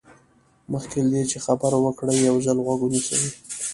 مخکې له دې چې خبرې وکړئ یو ځل غوږ ونیسئ.